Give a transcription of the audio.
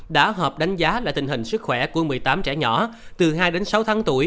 đã họp đánh giá lại tình hình sức khỏe của một mươi tám trẻ nhỏ từ hai đến sáu tháng tuổi